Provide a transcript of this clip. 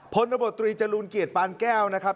ค่ะพรจรุงเกียรติปานแก้วนะครับ